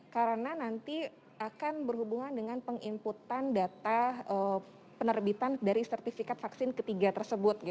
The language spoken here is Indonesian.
karena nanti akan berhubungan dengan penginputan data penerbitan dari sertifikat vaksin ketiga tersebut